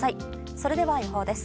それでは予報です。